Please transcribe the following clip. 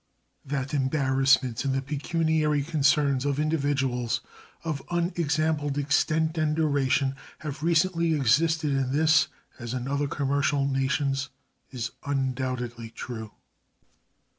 That embarrassments in the pecuniary concerns of individuals of unexampled extent and duration have recently existed in this as in other commercial nations is undoubtedly true.